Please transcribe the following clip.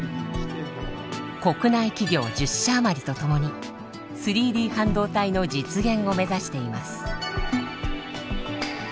国内企業１０社余りと共に３Ｄ半導体の実現を目指しています。